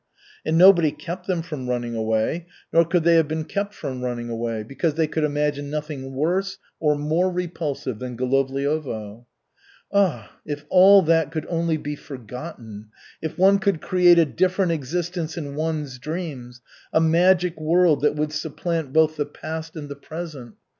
And nobody kept them from running away, nor could they have been kept from running away, because they could imagine nothing worse or more repulsive than Golovliovo. Ah, if all that could only be forgotten, if one could create a different existence in one's dreams, a magic world that would supplant both the past and the present!